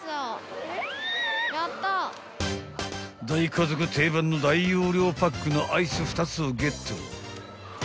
［大家族定番の大容量パックのアイス２つをゲット］